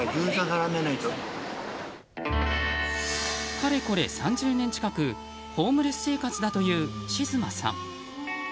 かれこれ３０年近くホームレス生活だというしずまさん。